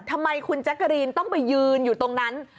ทำไมคุณแจ๊กกะรีนต้องไปยืนอยู่ตรงนั้น